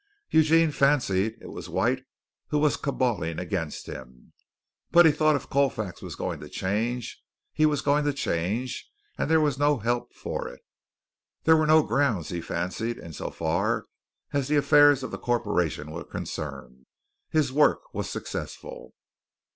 Eugene fancied it was White who was caballing against him, but he thought if Colfax was going to change, he was going to change, and there was no help for it. There were no grounds, he fancied, in so far as the affairs of the corporation were concerned. His work was successful.